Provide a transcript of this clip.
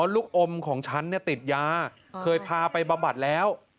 ลูกอมของฉันติดยาเคยพาไปบำบัดแล้ว